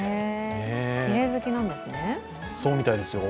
きれい好きなんですね。